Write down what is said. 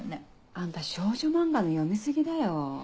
あんた少女漫画の読み過ぎだよ。